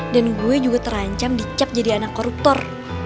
dan gue juga terancam dicap jadi anak koruptor